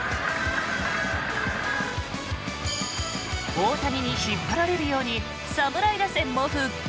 大谷に引っ張られるように侍打線も復活。